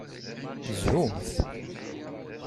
Zhumt!